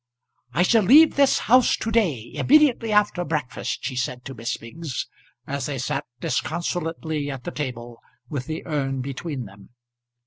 "I shall leave this house to day, immediately after breakfast," she said to Miss Biggs, as they sat disconsolately at the table with the urn between them.